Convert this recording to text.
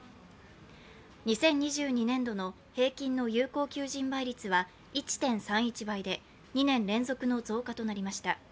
２０２２年度の平均の有効求人倍率は１．３１倍で２年連続の増加となりました。